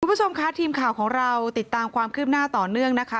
คุณผู้ชมค่ะทีมข่าวของเราติดตามความคืบหน้าต่อเนื่องนะคะ